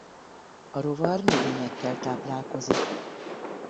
A rovar növényekkel táplálkozik.